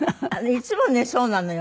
いつもねそうなのよ。